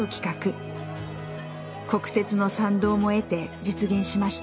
国鉄の賛同も得て実現しました。